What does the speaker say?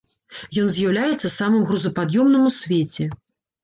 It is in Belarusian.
Ён з'яўляецца самым грузапад'ёмным ў свеце.